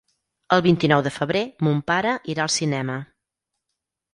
El vint-i-nou de febrer mon pare irà al cinema.